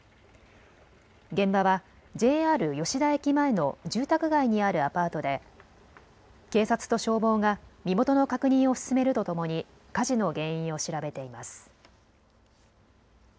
現場はＪＲ吉田駅前の住宅街にあるアパートで警察と消防が身元の確認を進めるとともに火事の原因を調べています。